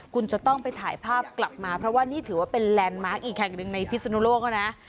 คุณจะต้องไปถ่ายภาพกลับมาเพราะว่านี่ถือว่าเป็นแลนด์มาร์คอีกแห่งหนึ่งในพิศนุโลกแล้วนะ